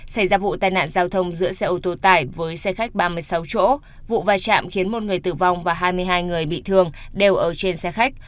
xảy ra vụ tai nạn giao thông giữa xe ô tô tải với xe khách ba mươi sáu chỗ vụ vai chạm khiến một người tử vong và hai mươi hai người bị thương đều ở trên xe khách